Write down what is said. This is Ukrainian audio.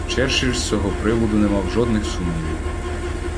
Черчилль з цього приводу не мав жодних сумнівів.